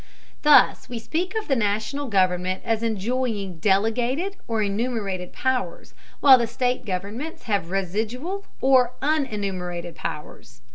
Thus we speak of the National government as enjoying delegated or enumerated powers, while the state governments have residual or unenumerated powers.